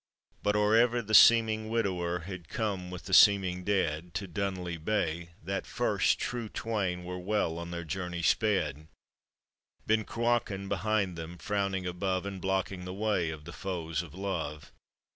But or ever the seeming widower Had come with the seeming dead To Dunolly Bay, that first true twain Were well on their journey sped, — Ben Cruachan behind them, frowning above And blocking the way of the foes of love.